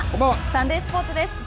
サンデースポーツです。